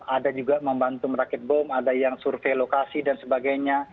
ada juga membantu merakit bom ada yang survei lokasi dan sebagainya